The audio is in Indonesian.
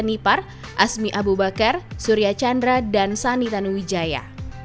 dan juga nipar asmi abubaker surya chandra dan sanita nwijaya